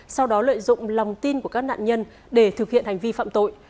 sau đó lợi dụng lòng tin của các nạn nhân để thực hiện hành vi phạm tội